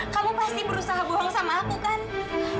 kamu pasti berusaha bohong sama aku kan